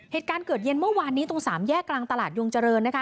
เหตุการณ์เกิดเย็นเมื่อวานนี้ตรงสามแยกกลางตลาดยงเจริญนะคะ